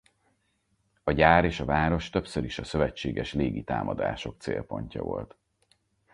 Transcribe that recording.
A gyár és a város többször is a szövetséges légi támadások célpontja volt.